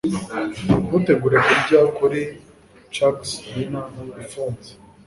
Ntutegure kurya kuri Chuck's Diner. Ifunze.